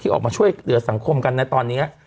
ออกมาช่วยเหลือสังคมกันในตอนนี้